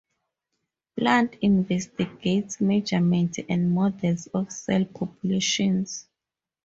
Plant investigates measurements and models of cell populations.